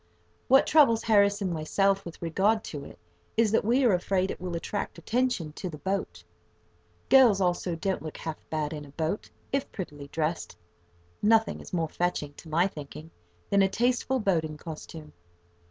What troubles Harris and myself, with regard to it, is that we are afraid it will attract attention to the boat. [Picture: Young lady] Girls, also, don't look half bad in a boat, if prettily dressed. Nothing is more fetching, to my thinking, than a tasteful boating costume.